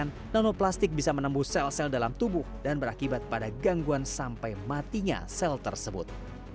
dan nanoplastik bisa menembus sel sel dalam tubuh dan berakibat pada gangguan sampai matinya sel tersebut